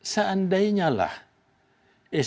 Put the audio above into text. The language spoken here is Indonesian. seandainyalah sby itu berhasil